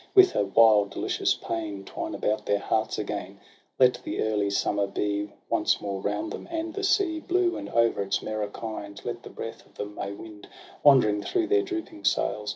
With a wild delicious pain, Twine about their hearts again ! Let the early summer be Once more round them, and the sea Blue, and o'er its mirror kind Let the breath of the May wind, Wandering through their drooping sails.